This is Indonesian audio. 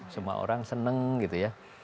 semua orang senang gitu ya